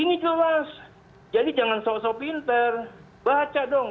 ini jelas jadi jangan sok sok pinter baca dong